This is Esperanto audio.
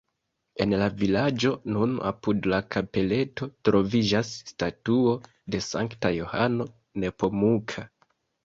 En la vilaĝo, nun apud la kapeleto, troviĝas statuo de Sankta Johano Nepomuka.